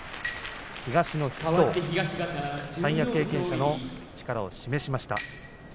東の筆頭、三役経験者の力を示しました。